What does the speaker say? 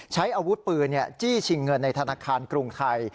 ใช้อาวุธปืนจี้ชิงเงินในธนาคารกรุงไทย